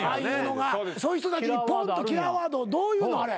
そういう人たちにぽんとキラーワードどう言うの？